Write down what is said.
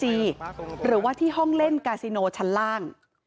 หรือว่าที่ห้องเล่นกาซิโนชั้นล่าง